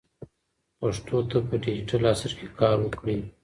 پښتو ته په ډیجیټل عصر کې کار وکړئ.